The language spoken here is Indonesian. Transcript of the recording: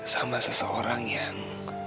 sama seseorang yang